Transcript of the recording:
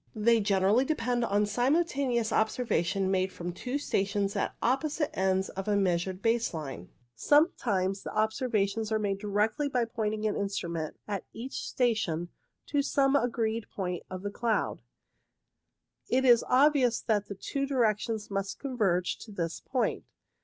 They generally depend upon simultaneous observa tions made from two stations at opposite ends of a measured base line. Sometimes the observations are made directly by pointing an instrument at each station to some agreed point of the cloud. It is obvious that the two directions must converge to this point.